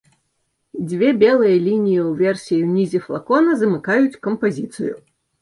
Дзве белыя лініі ўверсе і ўнізе флакона замыкаюць кампазіцыю.